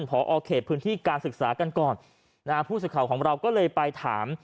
พอเขตพื้นที่การศึกษากันก่อนนะฮะผู้สื่อข่าวของเราก็เลยไปถาม